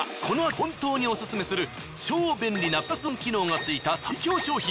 本当にオススメする超便利なプラスワン機能がついた最強商品。